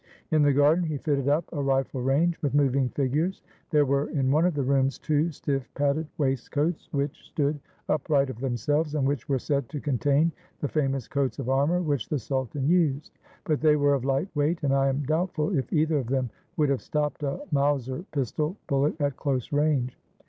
In the garden he fitted up a rifle range with moving figures. There were in one of the rooms two stiff, padded waistcoats which 534 THE HOUSE OF FEAR stood upright of themselves and which were said to contain the famous coats of armor which the sultan used; but they were of light weight, and I am doubtful if either of them would have stopped a Mauser pistol bullet at close range.